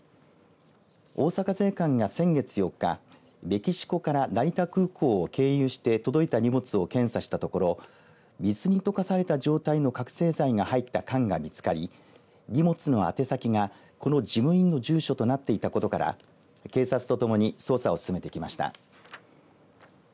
大阪税関が先月４日メキシコから成田空港を経由して届いた荷物を検査したところ水に溶かされた状態の覚醒剤が入った缶が見つかり荷物の宛て先がこの事務員の住所となっていたことから警察とともに捜査を進めてきました。